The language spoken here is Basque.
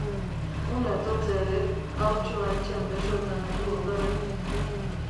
Hona etortzea ere, haurtxoa etxean besoetan hartu ondoren.